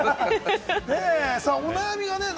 お悩みが。